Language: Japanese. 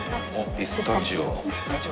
ピスタチオ。